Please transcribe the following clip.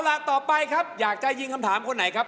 ล่ะต่อไปครับอยากจะยิงคำถามคนไหนครับ